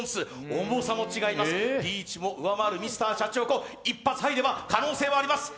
重さも違います、リーチも上回るＭｒ．シャチホコ、一発入れば可能性はあります。